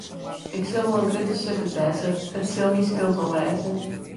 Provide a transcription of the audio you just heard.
Ik sil wol in grutte suffert wêze, it sil myn skuld wol wêze.